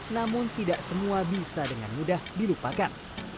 namun tidak semua bisa dengan mudah dilupakan